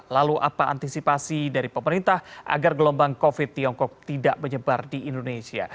lalu apa antisipasi dari pemerintah agar gelombang covid tiongkok tidak menyebar di indonesia